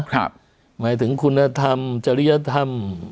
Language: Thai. หมายถึงคุณธรรมจริยธรรม